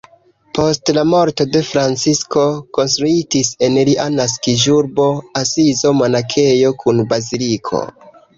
Post la morto de Francisko konstruitis en lia naskiĝurbo Asizo monakejo kun baziliko.